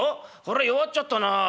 こら弱っちゃったなあ。